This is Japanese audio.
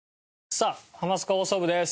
さあ『ハマスカ放送部』です。